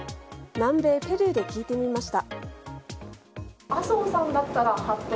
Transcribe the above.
南米ペルーで聞いてみました。